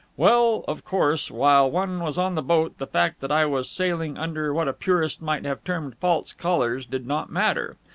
Well, of course, while one was on the boat, the fact that I was sailing under what a purist might have termed false colours did not matter.